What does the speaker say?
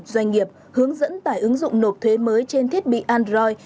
doanh nghiệp hướng dẫn tải ứng dụng nộp thuế mới trên thiết bị android